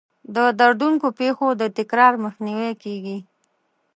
د دردونکو پېښو د تکرار مخنیوی کیږي.